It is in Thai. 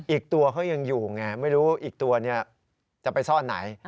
อีกตัวเขายังอยู่ไงไม่รู้อีกตัวนี้จะไปซ่อนไหน